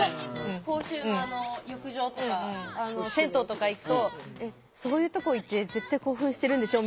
公衆の浴場とか銭湯とか行くと「そういうとこ行って絶対興奮してるんでしょ？」